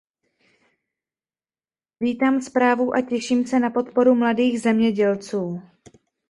Vítám zprávu a těším se na podporu mladých zemědělců.